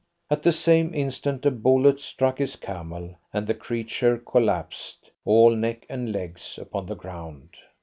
At the same instant a bullet struck his camel, and the creature collapsed, all neck and legs, upon the ground.